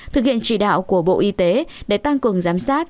thực hiện chỉ đạo của bộ y tế để tăng cường giám sát